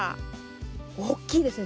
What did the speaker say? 大きいですね